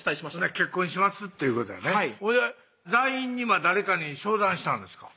結婚しますっていうことやねはいほいで座員には誰かに相談したんですか？